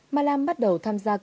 ma lam bắt đầu tham gia công tác